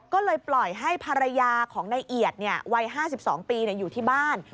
ก็เลยปล่อยให้ภรรยาของนายเอียดวัย๕๒ปีอยู่ที่บ้าน